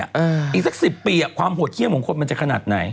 อีกสัก๑๐ปีความโหดเยี่ยมของคนมันจะขนาดไหน